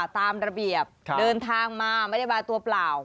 ตามระเบียบเดินทางมาไม่ได้มาตัวเปล่า